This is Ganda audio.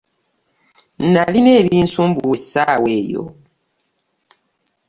Nalina ebinsumbuwa essaawa eyo.